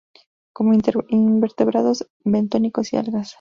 Come invertebrados bentónicos y algas.